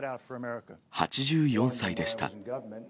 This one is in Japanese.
８４歳でした。